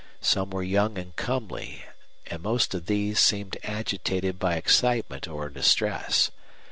Some were young and comely, and most of these seemed agitated by excitement or distress.